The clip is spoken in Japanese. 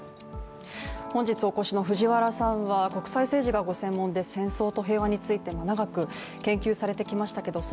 本日お越しの藤原さんは国際政治がご専門で戦争と平和について長く研究されてきましたけども